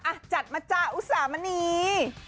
อ่ะจัดมาจ้ะอุสามณี